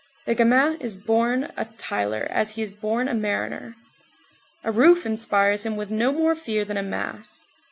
The gamin is born a tiler as he is born a mariner. A roof inspires him with no more fear than a mast.